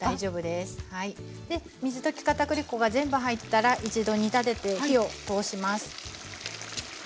で水溶き片栗粉が全部入ったら一度煮立てて火を通します。